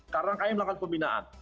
karena kami melakukan pembinaan